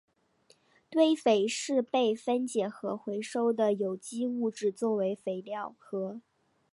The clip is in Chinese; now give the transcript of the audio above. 堆肥是被分解和回收的有机物质作为肥料和。